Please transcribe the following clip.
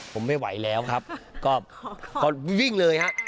ผมไม่ไหวแล้วครับก็วิ่งเลยฮะ